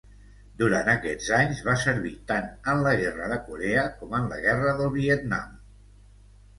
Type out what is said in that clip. Durant aquests anys, va servir tant en la guerra de Corea com en la guerra del Vietnam.